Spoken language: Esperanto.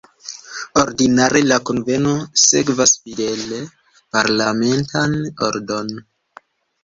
Ordinare la kunveno sekvas fidele parlamentan ordon.